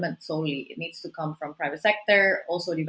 ini harus datang dari sektor pribadi